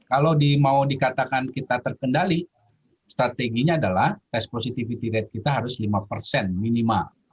kalau mau dikatakan kita terkendali strateginya adalah tes positivity rate kita harus lima persen minimal